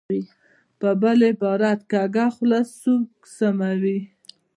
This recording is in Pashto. په بل عبارت، کږه خوله سوک سموي.